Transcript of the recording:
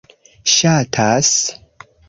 ŝatas